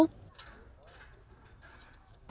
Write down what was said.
nguyễn văn văn chỉ huy evn npc